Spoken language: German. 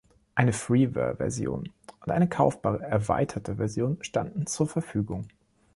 Eine Freeware-Version und eine kaufbare „erweiterte“ Version standen zur Verfügung.